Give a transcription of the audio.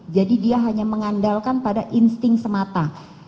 jadi dia hanya mengandalkan pada insting semata